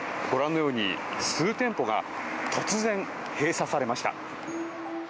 ご覧のように数店舗が突然閉鎖されました。